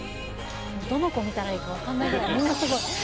どの子見たらいいか分かんないぐらいみんなすごい。